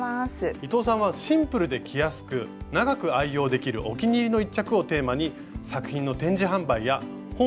伊藤さんはシンプルで着やすく長く愛用できるお気に入りの１着をテーマに作品の展示販売や本を多数出版されています。